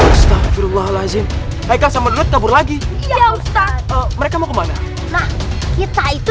astagfirullahaladzim hai kasur menurut kabur lagi ya ustadz mereka mau kemana nah kita itu